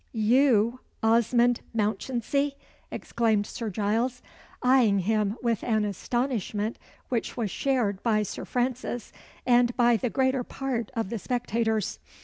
"You Osmond Mounchensey!" exclaimed Sir Giles; eyeing him with an astonishment which was shared by Sir Francis and by the greater part of the spectators.